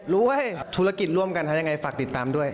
ให้ธุรกิจร่วมกันทำยังไงฝากติดตามด้วย